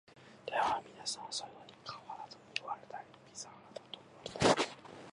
ではみなさんは、そういうふうに川だと云いわれたり、